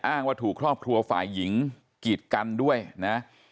ว่าถูกครอบครัวฝ่ายหญิงกีดกันด้วยนะ